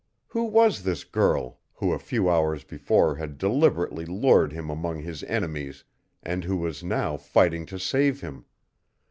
Who was this girl who a few hours before had deliberately lured him among his enemies and who was now fighting to save him?